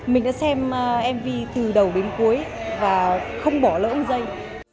mình đã xem mv từ đầu đến cuối và không bỏ lỡ dây